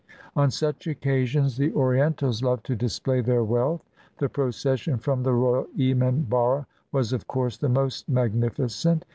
On such occasions the Orien tals love to display their wealth. The procession from the royal emanbarra was of course the most magnifi cent.